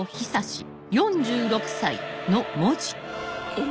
えっ